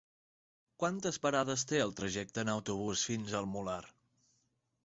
Quantes parades té el trajecte en autobús fins al Molar?